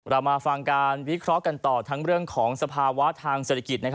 เรามาฟังการวิเคราะห์กันต่อทั้งเรื่องของสภาวะทางเศรษฐกิจ